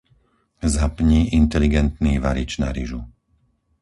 Zapni inteligentný varič na ryžu.